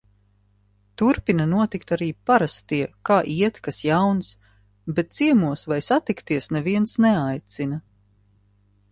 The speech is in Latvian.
Turpina notikt arī parastie kā iet? Kas jauns?, bet ciemos vai satikties neviens neaicina.